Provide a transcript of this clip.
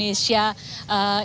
terima kasih banyak mbak